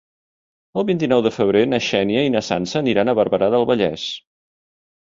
El vint-i-nou de febrer na Xènia i na Sança aniran a Barberà del Vallès.